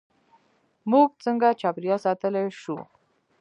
موږ څنګه چاپیریال ساتلی شو؟